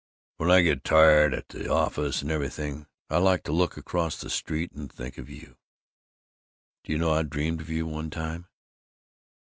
" when I get tired out at the office and everything, I like to look across the street and think of you. Do you know I dreamed of you, one time!"